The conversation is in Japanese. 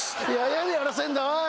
何をやらせんだおい！